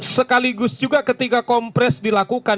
sekaligus juga ketika kompres dilakukan